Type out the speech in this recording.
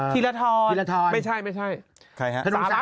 พิลาทร